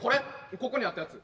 ここにあったやつ。